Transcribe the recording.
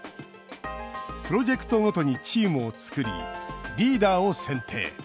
プロジェクトごとにチームを作りリーダーを選定。